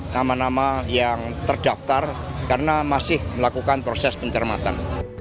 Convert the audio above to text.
nama nama yang terdaftar karena masih melakukan proses pencermatan